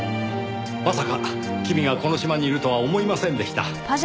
まさか君がこの島にいるとは思いませんでした。